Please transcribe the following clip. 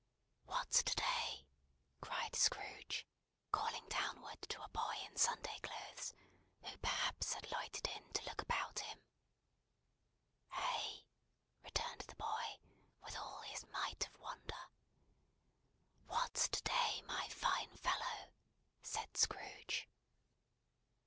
"What's to day!" cried Scrooge, calling downward to a boy in Sunday clothes, who perhaps had loitered in to look about him. "EH?" returned the boy, with all his might of wonder. "What's to day, my fine fellow?" said Scrooge.